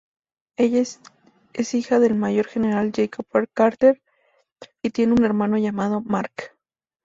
Ella es hija del Mayor General Jacob Carter, y tiene un hermano llamado Mark.